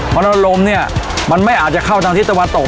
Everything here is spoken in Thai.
เพราะฉะนั้นลมเนี่ยมันไม่อาจจะเข้าทางทิศตะวันตก